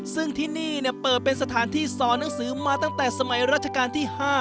ซึ่งที่นี่เปิดเป็นสถานที่สอนหนังสือมาตั้งแต่สมัยราชการที่๕